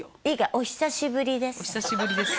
「お久しぶりです」